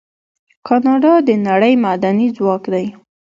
کاناډا د نړۍ معدني ځواک دی.